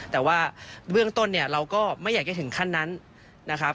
แต่ว่าเบื้องต้นเนี่ยเราก็ไม่อยากจะถึงขั้นนั้นนะครับ